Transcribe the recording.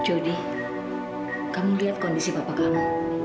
jody kamu lihat kondisi bapak kamu